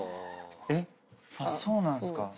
えっそうなんすか。